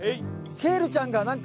ケールちゃんがなんか。